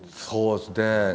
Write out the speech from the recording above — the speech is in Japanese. そうですね。